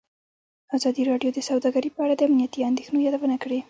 ازادي راډیو د سوداګري په اړه د امنیتي اندېښنو یادونه کړې.